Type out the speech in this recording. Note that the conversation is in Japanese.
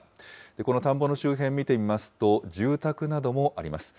この田んぼの周辺見てみますと、住宅などもあります。